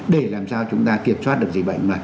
để làm sao chúng ta kiểm soát được dịch bệnh này